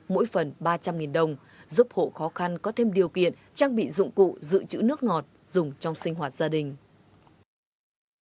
tổng cộng có khoảng ba trăm linh đồng giúp hộ khó khăn có thêm điều kiện trang bị dụng cụ giữ chữ nước ngọt dùng trong sinh hoạt gia đình